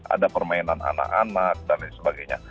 ada permainan anak anak dan lain sebagainya